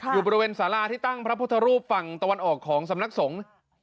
อยู่บริเวณสาราที่ตั้งพระพุทธรูปฝั่งตะวันออกของสำนักสงฆ์